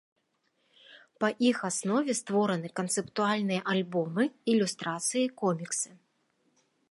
Па іх аснове створаны канцэптуальныя альбомы, ілюстрацыі, коміксы.